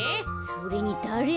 それにだれ？